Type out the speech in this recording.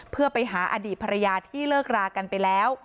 เพื่อไปหาอดีตภรรยาที่เลิกรากันไปแล้ว